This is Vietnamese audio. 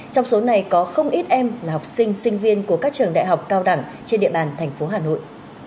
trong số này có không ít em là học sinh sinh viên của các trường đại học cao đẳng trên địa bàn thành phố hà nội